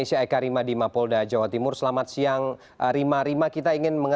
ya verdi selamat siang